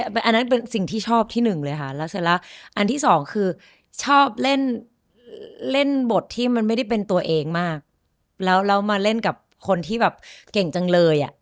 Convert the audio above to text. อันนั้นเป็นสิ่งที่ชอบที่หนึ่งเลยค่ะแล้วเสร็จแล้วอันที่สองคือชอบเล่นบทที่มันไม่ได้เป็นตัวเองมากแล้วมาเล่นกับคนที่แบบเก่งจังเลยอ่ะ